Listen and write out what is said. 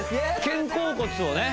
肩甲骨をねＯＫ